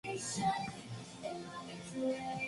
Afirmó que de esta manera mejoró su mal estado de salud.